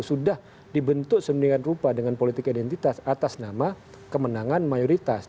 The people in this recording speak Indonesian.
sudah dibentuk seminingan rupa dengan politik identitas atas nama kemenangan mayoritas